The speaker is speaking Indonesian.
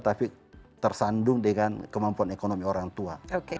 tapi tersandung dengan kemampuan ekonomi orang tua